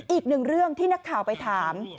อีกหนึ่งเรื่องที่นักข่าวไปถาม